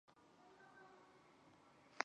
匈奴休屠胡人。